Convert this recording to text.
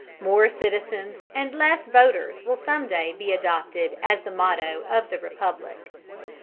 More citizens and less voters will some day be adopted as the motto of the Republic.